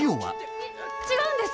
いえ、違うんです！